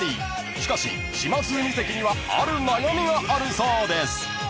［しかし島津海関にはある悩みがあるそうです］